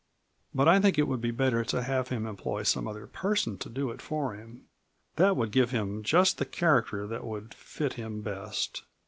But I think it would be better to have him employ some other person to do it for him; that would give him just the character that would fit him best.